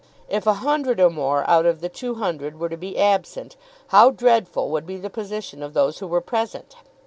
If a hundred or more out of the two hundred were to be absent how dreadful would be the position of those who were present!